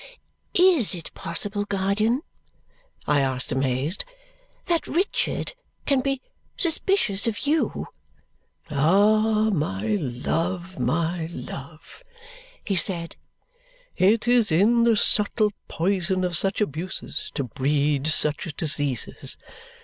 "IS it possible, guardian," I asked, amazed, "that Richard can be suspicious of you?" "Ah, my love, my love," he said, "it is in the subtle poison of such abuses to breed such diseases.